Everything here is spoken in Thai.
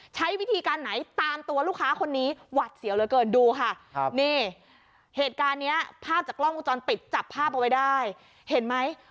ใช้วิธีการไหนตามตัวลูกค้าคนนี้หวัดเสียวเหลือเกินดูค่ะครับนี่เหตุการณ์เนี้ยภาพจากกล้องวงจรปิดจับภาพเอาไว้ได้เห็นไหม